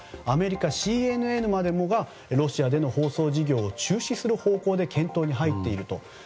アメリカＣＮＮまでもがロシアでの放送事業を中止する方向で検討に入っていると。